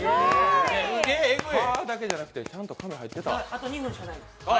「は」だけじゃなくてちゃんと紙入ってた。